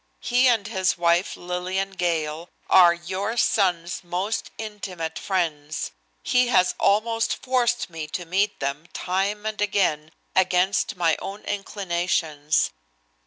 He and his wife, Lillian Gale, are your son's most intimate friends. He has almost forced me to meet them time and again against my own inclinations.